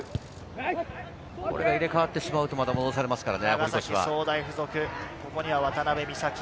これが入れ替わってしまうとまた戻されますからね。